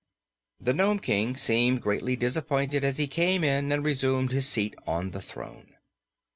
The Nome King seemed greatly disappointed as he came in and resumed his seat on the throne.